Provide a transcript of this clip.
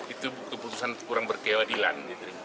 itu keputusan kurang berkewadilan